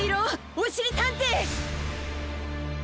おしりたんてい！